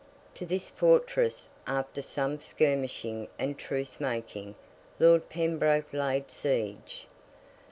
To this fortress, after some skirmishing and truce making, Lord Pembroke laid siege.